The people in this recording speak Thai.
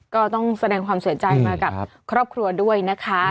ก็ต้องแสดงความเสียใจมากับครอบครัวด้วยนะคะ